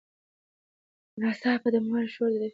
ناڅاپه د موبایل شور د ده د فکر لړۍ وشکوله.